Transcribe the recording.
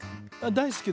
大好き？